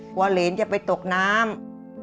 เพราะเหรียญจะไปตกน้ำ